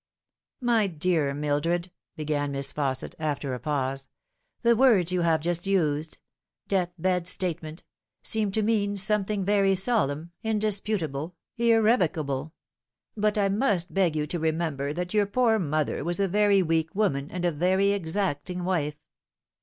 "My dear Mildred," began Miss Fausset, after a pause, " the words you have just used ' death bed statement ' seem to mean something very solemn, indisputable, irrevocable ; but I must beg you to remember that your poor mother was a very weak woman and a very exacting wife.